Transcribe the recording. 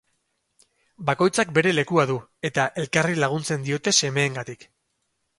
Bakoitzak bere lekua du, eta elkarri laguntzen diote semeengatik.